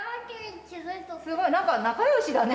すごい何か仲よしだね。